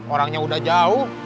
orangnya udah jauh